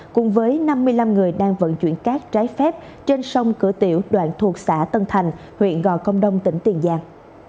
cùng với năm mươi năm người đang vận chuyển cát trái phép trên sông cửa tiểu đoạn thuộc xã tân thành huyện gò công đông tỉnh tiền giang